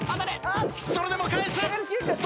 それでも返す！